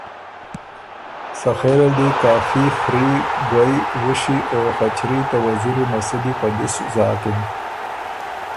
سخېل ال دی کافي خري، ګوَئ، وُوشی او خچري ته وزیری مسُودی په دِس زاکِن۔